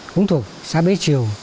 cũng thuộc xã bế triều